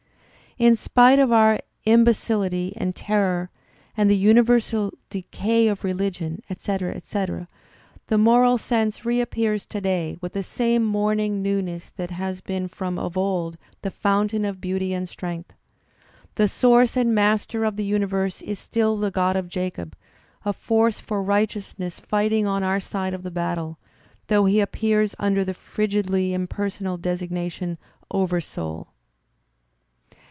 "In spite of our imbedUty and terror and *the universal decay of religion, etc. etc' the moral sense re Digitized by Google 58 THE SPIRIT OP AMERICAN LITERATURE appears to day with the same morning newness that has been from of old the fomitain of beauty and strength." The source and master of the universe is still the Grod of Jacob, a force for righteousness fighting on our side of the battle, though he appears under the frigidly impersonal designation : "Oversoul."